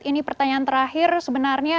ini pertanyaan terakhir sebenarnya